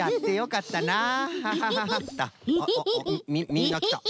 みんなきた。